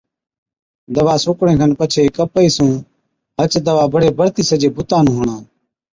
دَوا سُوڪڻي کن پڇي ڪپهئِي سُون هچ دَوا بڙي بڙتِي سجي بُتا نُون هڻا۔